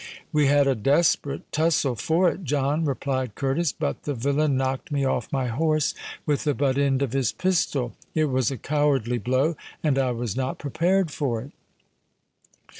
"We had a desperate tussle for it, John," replied Curtis; "but the villain knocked me off my horse with the butt end of his pistol. It was a cowardly blow—and I was not prepared for it."